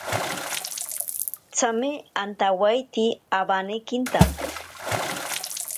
Tsame antawaite awanekinta.